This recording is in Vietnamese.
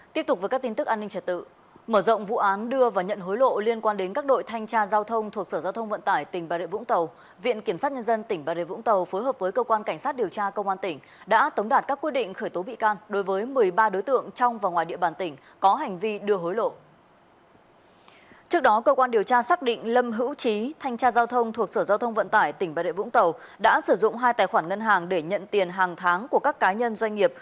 tỉnh bà rê vũng tàu đã sử dụng hai tài khoản ngân hàng để nhận tiền hàng tháng của các cá nhân doanh nghiệp